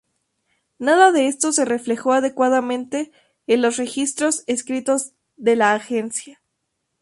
Nada de esto se reflejó adecuadamente en los registros escritos de la agencia".